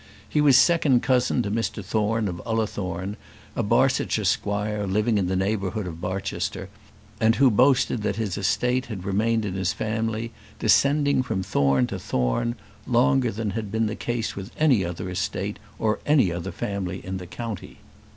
He was second cousin to Mr Thorne of Ullathorne, a Barsetshire squire living in the neighbourhood of Barchester, and who boasted that his estate had remained in his family, descending from Thorne to Thorne, longer than had been the case with any other estate or any other family in the county.